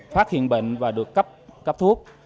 phát hiện bệnh và được cấp thuốc